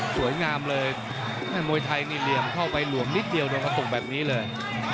สวยงามเลยแม่มวยไทยนี่เหลี่ยมเข้าไปหลวมนิดเดียวโดนกระตุกแบบนี้เลย